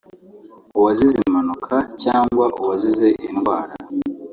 uwazize impanuka cyangwa uwazize indwara